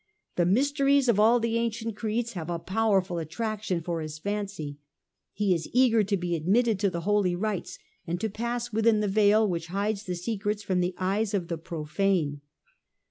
The mysteries of all the ancient creeds have a powerful attraction for his fancy ; he is eager to be admitted to the holy rites, and to pass within the veil which hides the secrets from the eyes of the profane.